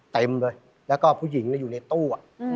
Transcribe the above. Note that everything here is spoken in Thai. เต็มเลยแล้วก็ผู้หญิงอยู่ในตู้